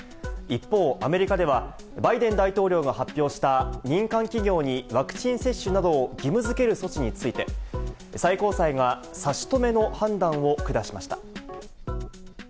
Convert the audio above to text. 一方、アメリカではバイデン大統領が発表した民間企業にワクチン接種などを義務づける措置について、最高裁が差し止めの判断を下しました。